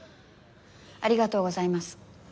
ありがとうございます。